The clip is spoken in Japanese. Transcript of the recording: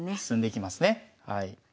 進んでいきますね。